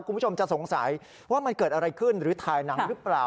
คุณผู้ชมจะสงสัยว่ามันเกิดอะไรขึ้นหรือถ่ายหนังหรือเปล่า